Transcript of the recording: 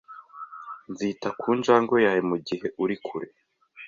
Nzita ku njangwe yawe mugihe uri kure .